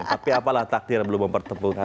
tapi apalah takdir belum mempertemukan